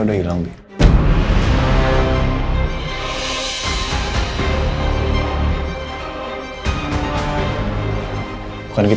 udah kayak gini